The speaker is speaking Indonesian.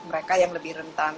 mereka yang lebih rentang